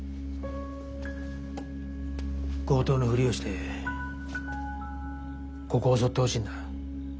強盗のフリをしてここを襲ってほしいんだ。